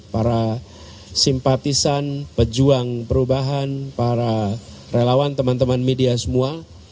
para simpatisan pejuang perubahan para relawan teman teman media semua